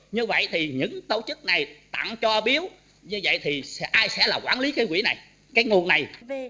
như vậy thì những tổ chức này tặng cho biếu như vậy thì ai sẽ là quản lý cái quỹ này cái nguồn này